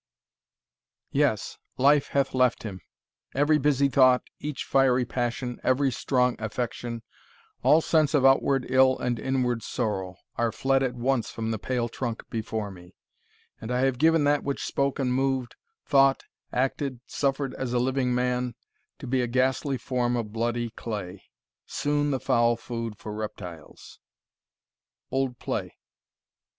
Yes, life hath left him every busy thought, Each fiery passion, every strong affection, All sense of outward ill and inward sorrow, Are fled at once from the pale trunk before me; And I have given that which spoke and moved, Thought, acted, suffer'd as a living man, To be a ghastly form of bloody clay, Soon the foul food for reptiles. OLD PLAY.